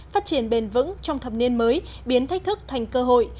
phát triển bền vững trong thập niên mới biến thách thức thành cơ hội